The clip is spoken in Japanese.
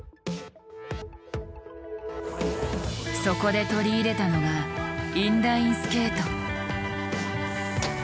そこで取り入れたのがインラインスケート。